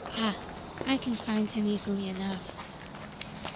Pah! I can find him easily enough."